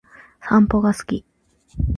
散歩が好き